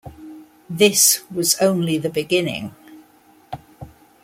This was only the beginning.